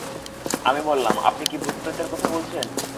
আমি বললাম, আপনি কি ভূতপ্রেতের কথা বলছেন?